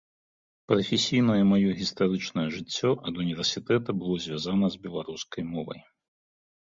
Прафесійнае маё гістарычнае жыццё ад універсітэта было звязана з беларускай мовай.